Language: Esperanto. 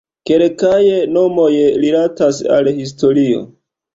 Kelkaj nomoj rilatas al historio.